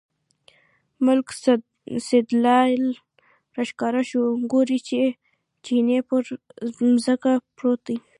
ملک سیدلال راښکاره شو، ګوري چې چیني پر ځمکه پروت دی.